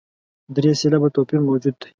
درې سېلابه توپیر موجود دی.